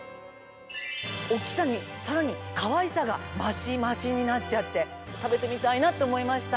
おっきさにさらにかわいさがましましになっちゃってたべてみたいなっておもいました！